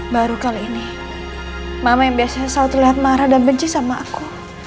baru kali ini mama yang biasanya selalu terlihat marah dan benci sama aku